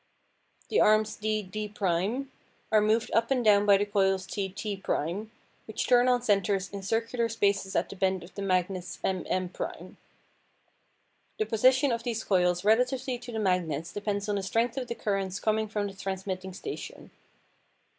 The arms DD' are moved up and down by the coils TT' which turn on centres in circular spaces at the bend of the magnets MM'. The position of these coils relatively to the magnets depend on the strength of the currents coming from the transmitting station.